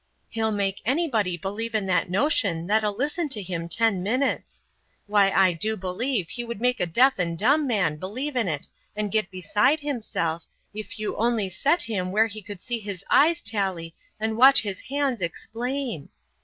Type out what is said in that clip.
He'll make anybody believe in that notion that'll listen to him ten minutes why I do believe he would make a deaf and dumb man believe in it and get beside himself, if you only set him where he could see his eyes tally and watch his hands explain.